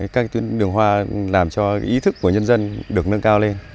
các tuyến đường hoa làm cho ý thức của nhân dân được nâng cao lên